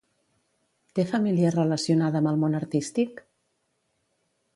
Té família relacionada amb el món artístic?